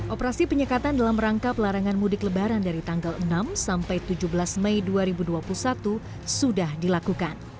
operasi penyekatan dalam rangka pelarangan mudik lebaran dari tanggal enam sampai tujuh belas mei dua ribu dua puluh satu sudah dilakukan